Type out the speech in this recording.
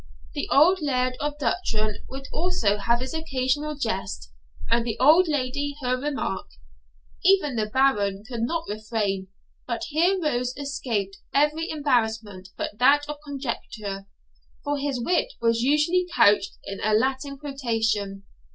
The old Laird of Duchran would also have his occasional jest, and the old lady her remark. Even the Baron could not refrain; but here Rose escaped every embarrassment but that of conjecture, for his wit was usually couched in a Latin quotation.